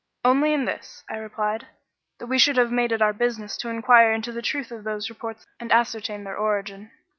"Only in this," I replied; "that we should have made it our business to inquire into the truth of those reports and ascertain their origin."